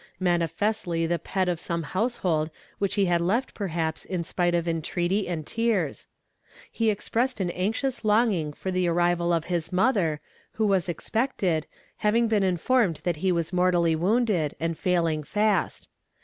Manifestly the pet of some household which he had left, perhaps, in spite of entreaty and tears. He expressed an anxious longing for the arrival of his mother, who was expected, having been informed that he was mortally wounded, and failing fast.